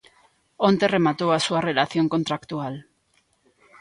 Onte rematou a súa relación contractual.